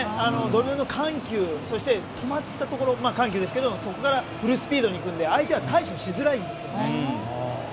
ドリブルの緩急そして、止まったところ緩急ですけどもそこからフルスピードに行くので相手は対処しづらいんですね。